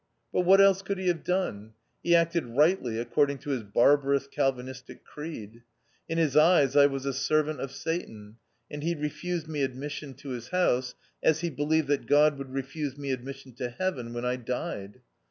But what else could he have done? He acted rightly according to his barbarous Calvinistic creed. In his eyes I was a servant of Satan ; and he refused me admis sion to his house, as he believed that God would refuse me admission to heaven when I died.